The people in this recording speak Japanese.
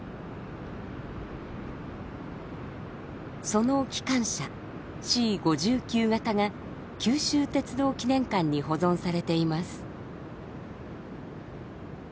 その機関車Ｃ５９形が九州鉄道記念館に保存されています。